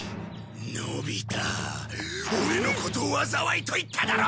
のび太オレのことを災いと言っただろ！